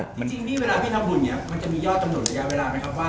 จริงนี่เวลาพี่ทำบุญเนี่ยมันจะมียอดกำหนดระยะเวลาไหมครับว่า